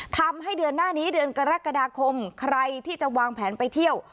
ทำให้เดือนหน้านี้เดือนกรกฎาคมใครที่จะวางแผนไปเที่ยว